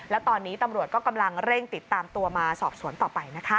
แล้วตอนนี้ตำรวจก็กำลังเร่งติดตามตัวมาสอบสวนต่อไปนะคะ